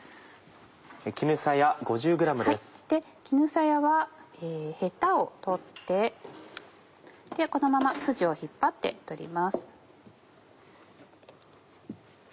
絹さやはヘタを取ってこのままスジを引っ張って取ります。